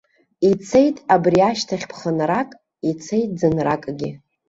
Ицеит абри ашьҭахь ԥхынрак, ицеит ӡынракгьы.